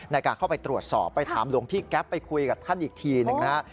ในการเข้าไปตรวจสอบไปถามหลวงพี่แก๊ปไปคุยกับท่านอีกทีหนึ่งนะฮะ